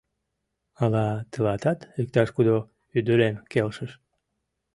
Ала тылатат иктаж-кудо ӱдырем келшыш?